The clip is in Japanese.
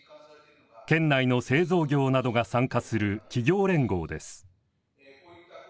県内の製造業などが参加する企業連合です。